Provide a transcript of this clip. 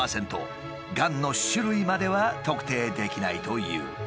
がんの種類までは特定できないという。